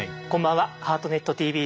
「ハートネットＴＶ」です。